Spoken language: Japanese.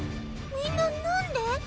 みんななんで？